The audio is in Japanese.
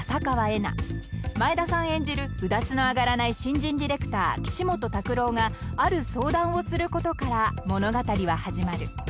［眞栄田さん演じるうだつの上がらない新人ディレクター岸本拓朗がある相談をすることから物語は始まる］